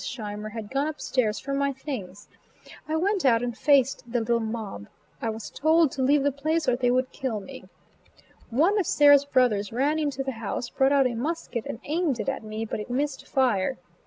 Scheimer had gone up stairs for my things. I went out and faced the little mob. I was told to leave the place or they would kill me. One of Sarah's brothers ran into the house, brought out a musket and aimed it at me; but it missed fire.